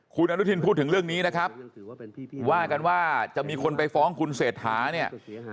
คุณอนุทินพูดถึงเรื่องนี้นะครับว่ากันว่าจะมีคนไปฟ้องคุณเศรษฐาเนี่ย